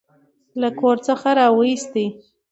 له کور څخه راوستې.